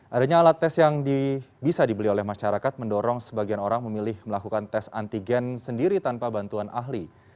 adanya alat tes yang bisa dibeli oleh masyarakat mendorong sebagian orang memilih melakukan tes antigen sendiri tanpa bantuan ahli